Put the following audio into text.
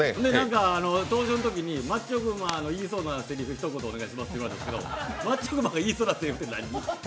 登場のときにマッチョ熊の言いそうなひと言お願いしますと言われたけどマッチョ熊が言いそうなせりふって何？